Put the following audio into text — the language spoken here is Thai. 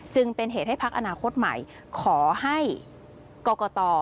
จึงเป็นเหตุให้พักอนาคตใหม่ขอให้กรกต